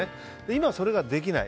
今はそれができない。